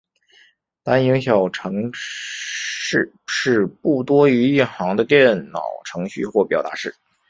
单行小程式是不多于一行的电脑程序或表达式。